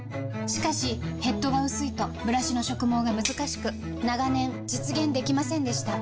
しかしヘッドが薄いとブラシの植毛がむずかしく長年実現できませんでした